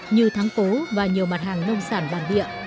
như thắng cố và nhiều mặt hàng nông sản bản địa